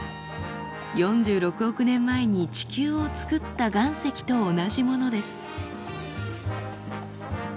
４６億年前に地球を作った岩石と同じものです。